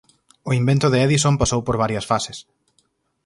O invento de Edison pasou por varias fases.